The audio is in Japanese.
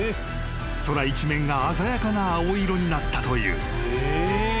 ［空一面が鮮やかな青色になったという］